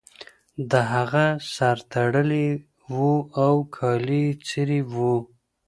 د هغه سر تړلی و او کالي یې څیرې وو